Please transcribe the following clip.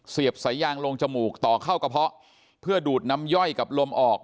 สายยางลงจมูกต่อเข้ากระเพาะเพื่อดูดน้ำย่อยกับลมออก